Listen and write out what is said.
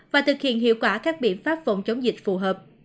và thực hiện hiệu quả các biện pháp phòng chống dịch phù hợp